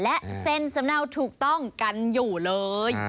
และเซ็นสำเนาถูกต้องกันอยู่เลย